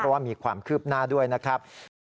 เพราะว่ามีความคืบหน้าด้วยนะครับ